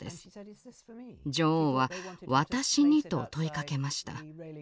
女王は「私に？」と問いかけました。